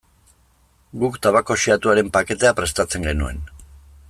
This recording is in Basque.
Guk tabako xehatuaren paketea prestatzen genuen.